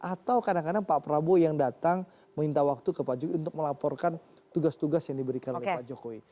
atau kadang kadang pak prabowo yang datang minta waktu ke pak jokowi untuk melaporkan tugas tugas yang diberikan oleh pak jokowi